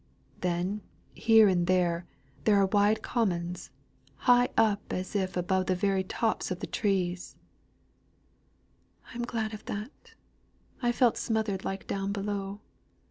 "Then here and there, there are wide commons, high up as if above the very tops of the trees " "I am glad of that. I felt smothered like down below.